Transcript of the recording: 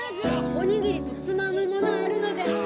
お握りとつまむものあるので。